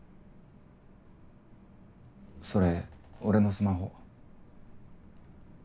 それ俺のスマホ？